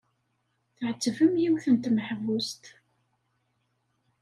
Tɛettbem yiwet n tmeḥbust.